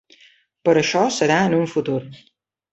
Però això serà en un futur.